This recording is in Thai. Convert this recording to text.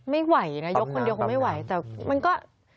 ไม่ไหวนะยกคนเดียวคงไม่ไหวแต่มันก็